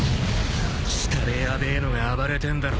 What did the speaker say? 下でヤベえのが暴れてんだろ。